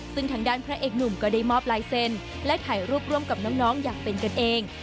ซึ่งทางด้านพระเอกหนุ่มก็ได้มอบลายเซ็นต์และถ่ายรูปร่วมกับน้องอย่างเป็นกันเอง